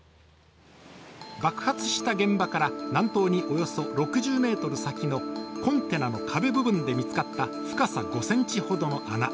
爆発した現場から南東におよそ６０ｍ先のコンテナの壁部分で見つかった深さ５ｃｍほどの穴。